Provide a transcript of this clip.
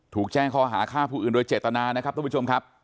ถูกแจ้งข้อหาฆ่าผู้อื่นโดยเจตนานะครับทุกผู้ชมครับ